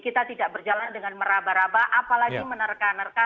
kita tidak berjalan dengan meraba raba apalagi menerka nerka